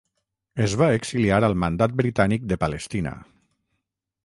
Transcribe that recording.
Es va exiliar al Mandat Britànic de Palestina.